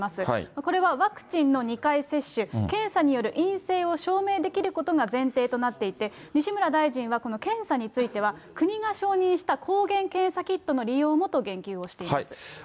これはワクチンの２回接種、検査による陰性を証明できることが前提となっていて、西村大臣はこの検査については、国が承認した抗原検査キットの利用もと言及をしています。